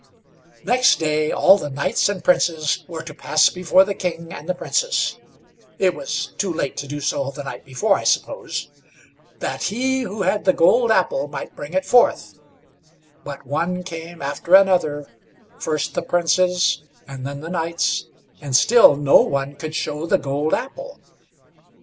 Next day all the knights and princes were to pass before the king and the Princess it was too late to do so the night before, I suppose that he who had the gold apple might bring it forth; but one came after another, first the Princes, and then the knights, and still no one could show the gold apple.